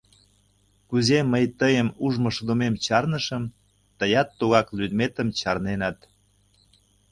Кузе мый тыйым ужмышудымем чарнышым, тыят тугак лӱдметым чарненат.